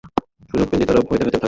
সুযোগ পেলেই তারা ভয় দেখাতে থাকে।